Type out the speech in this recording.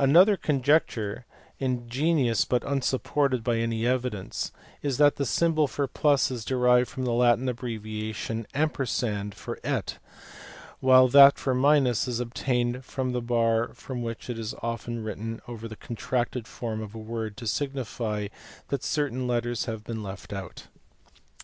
Another conjecture, ingenious but unsupported by any evidence, is that the symbol for plus is derived from the Latin abbreviation & for et ; while that for minus is obtained from the bar which is often written over the contracted form of a word to signify that certain letters have been left out.